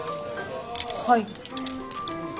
はい。